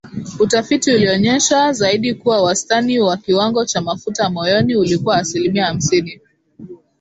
Utafiti ulionyesha zaidi kuwa wastani wa kiwango cha mafuta moyoni ulikuwa asilimia hamsini